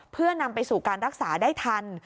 เพื่อนำไปสู่การรักษาได้ทัน